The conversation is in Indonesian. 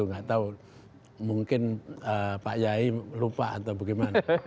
nggak tahu mungkin pak yai lupa atau bagaimana